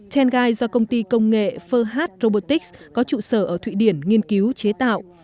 tengai do công ty công nghệ ferhat robotics có trụ sở ở thụy điển nghiên cứu chế tạo